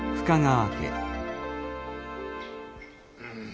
うん。